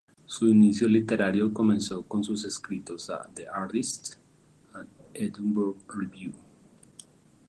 Su inicio literario comenzó con sus escritos a "The Artist" y "Edinburgh Review".